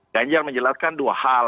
ganjar menjelaskan dua hal